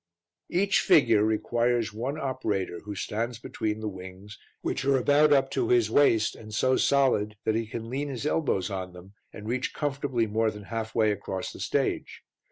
Each figure requires one operator who stands between the wings, which are about up to his waist and so solid that he can lean his elbows on them and reach comfortably more than halfway across the stage.